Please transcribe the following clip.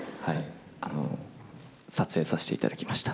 撮影させていただきました。